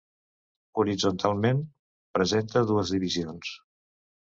Horitzontalment presenta dues divisions.